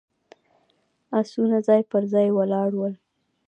آسونه ځای پر ځای ولاړ ول.